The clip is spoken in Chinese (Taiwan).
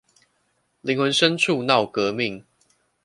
靈魂深處鬧革命